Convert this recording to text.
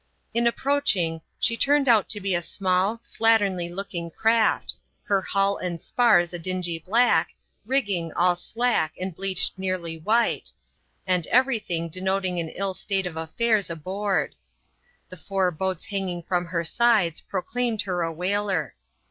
On approaching, she turned out to be a small, slatternly looking craft, her hull and spars a dingy black, rigging all slack and bleached nearly white, and every thing denoting an ill state of affairs aboard. The four boats hanging from her sides proclaimed her a whaler.